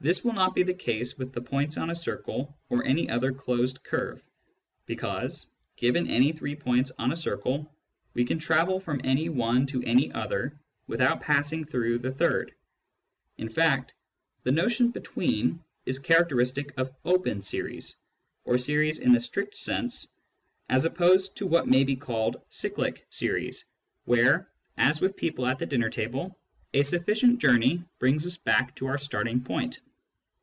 This will not be the case with the points on a circle or any other closed curve, because, given any three points on a circle, we can travel from any one to any other without passing through the third. In fact, the notion " between " is characteristic of open series — or series in the strict sense — as opposed to what may be called The Definition of Order 39 " cyclic " series, where, as with people at the dinner table, a sufficient journey brings us back to our starting point.